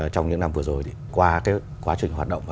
trong những năm vừa rồi thì qua quá trình hoạt động của doanh nghiệp